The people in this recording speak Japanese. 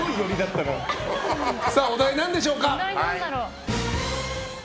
お題、何でしょうか？